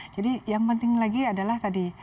jadi yang penting lagi adalah tadi